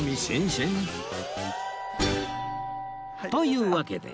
いうわけで